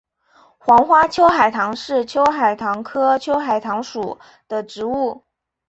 黄花秋海棠是秋海棠科秋海棠属的植物。